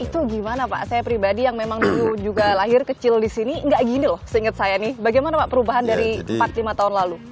itu gimana pak saya pribadi yang memang dulu juga lahir kecil di sini nggak gini loh seingat saya nih bagaimana pak perubahan dari empat lima tahun lalu